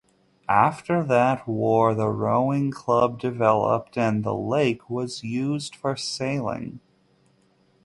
After that war, the rowing club developed and the lake was used for sailing.